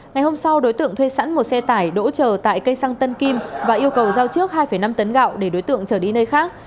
ngày hôm sau đối tượng thuê sẵn một xe tải đỗ chờ tại cây xăng tân kim và yêu cầu giao trước hai năm tấn gạo để đối tượng trở đi nơi khác